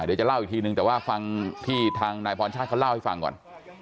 เดี๋ยวจะเล่าอีกทีนึงแต่ว่าฟังที่ทางนายพรชาติเขาเล่าให้ฟังก่อน